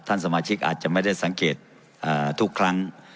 สมาชิกอาจจะไม่ได้สังเกตทุกครั้ง